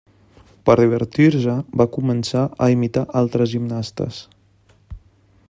Per divertir-se, va començar a imitar altres gimnastes.